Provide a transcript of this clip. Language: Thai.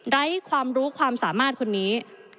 ไร้ความรู้ความสามารถคนนี้